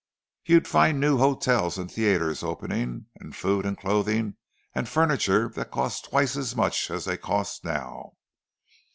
You'd find new hotels and theatres opening, and food and clothing and furniture that cost twice as much as they cost now.